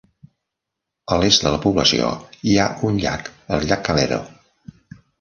A l'est de la població hi ha un llac, el llac Calero.